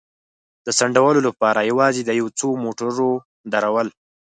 د ځنډولو لپاره یوازې د یو څو موټرو درول.